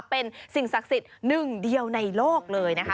เป็นสิ่งศักดิ์สิทธิ์หนึ่งเดียวในโลกเลยนะคะ